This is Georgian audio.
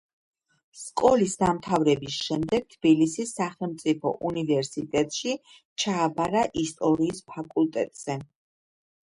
სკოლის დამთავრების შემდეგ თბილისის სახელმწიფო უნივერსიტეტში ჩააბარა ისტორიის ფაკულტეტზე